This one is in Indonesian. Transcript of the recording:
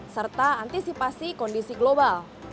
serta antisipasi kondisi global